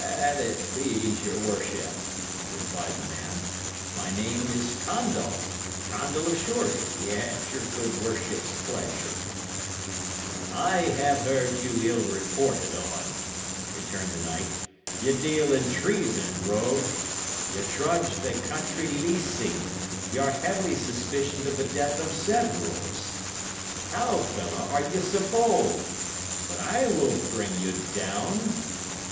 "An't please your worship," replied the man, "my name is Condall Condall of Shoreby, at your good worship's pleasure." "I have heard you ill reported on," returned the knight. "Ye deal in treason, rogue; ye trudge the country leasing; y' are heavily suspicioned of the death of severals. How, fellow, are ye so bold? But I will bring you down."